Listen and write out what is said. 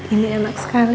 ini enak sekali